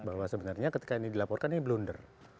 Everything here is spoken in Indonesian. bahwa sebenarnya ketika ini dilaporkan ini blunder